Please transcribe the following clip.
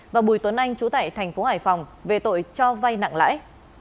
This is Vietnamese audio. và bùi tuấn anh chú tại thành phố hải phòng về tội cho vay nặng lãi